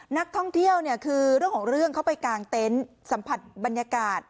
นักท่องเที่ยวเนี่ยคือเรื่องของเรื่องเขาไปกางเต็นต์สัมผัสบรรยากาศ